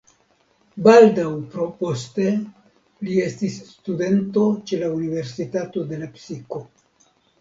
Baldaŭ poste li estis studento ĉe la Universitato de Lepsiko.